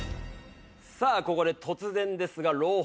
さあここで突然ですが朗報です。